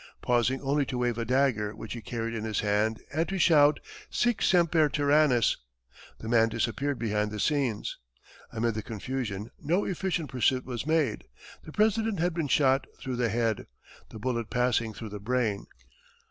Pausing only to wave a dagger which he carried in his hand and to shout, "Sic semper tyrannis!" the man disappeared behind the scenes. Amid the confusion, no efficient pursuit was made. The President had been shot through the head, the bullet passing through the brain.